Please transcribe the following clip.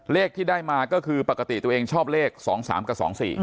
เลขที่ได้มาก็คือปกติตัวเองชอบเลข๒๓กับ๒๔